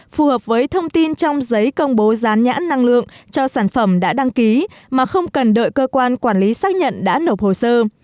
phù hợp với thông tin trong giấy công bố gián nhãn năng lượng cho sản phẩm đã đăng ký mà không cần đợi cơ quan quản lý xác nhận đã nộp hồ sơ